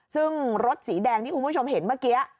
ซึ่งรถสีแดงที่คุณผู้ชมเห็นเมื่อกี้